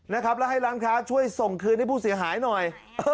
แล้วให้ร้านค้าช่วยส่งคืนให้ผู้เสียหายหน่อย